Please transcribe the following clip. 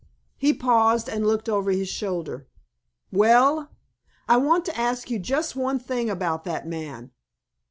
He paused and looked over his shoulder. "Well!" "I want to ask you just one thing about that man."